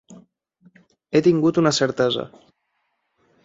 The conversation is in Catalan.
He tingut una certesa.